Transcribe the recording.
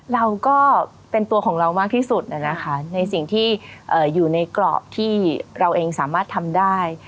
เราก็เป็นตัวของเรามากที่สุดนะคะในสิ่งที่อยู่ในกรอบที่เราเองสามารถทำได้